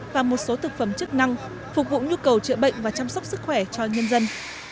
và một số thực phẩm chức năng phục vụ nhu cầu chữa bệnh và chăm sóc sức khỏe cho nhân dân